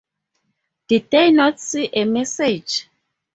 Did they not see a message?